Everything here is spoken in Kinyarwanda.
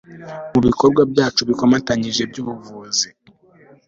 mu bikorwa byacu bikomatanyije by'ubuvuzi